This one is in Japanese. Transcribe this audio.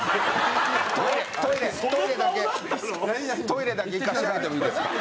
トイレだけ行かせていただいてもいいですか？